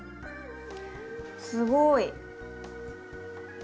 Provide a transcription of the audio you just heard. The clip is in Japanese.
すごい。